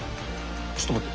ちょっと待って。